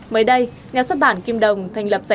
mới đây nhà xuất bản kim đồng thành lập một nhà sách